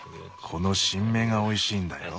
この新芽がおいしいんだよ。